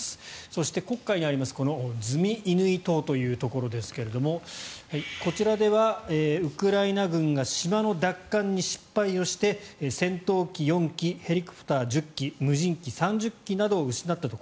そして、黒海にあるズミイヌイ島というところですがこちらではウクライナ軍が島の奪還に失敗をして戦闘機４機ヘリコプター１０機無人機３０機などを失ったと。